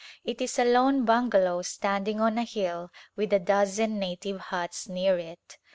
It is a lone bungalow standing on a hill with a dozen native huts near it.